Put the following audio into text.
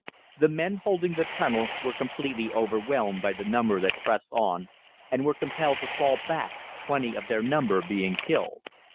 The men holding the tunnel were completely overwhelmed by the number that pressed on, and were compelled to fall back, twenty of their number being killed.